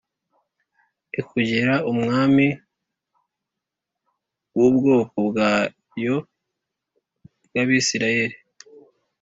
ikugira umwami w’ubwoko bwayo bw’Abisirayeli,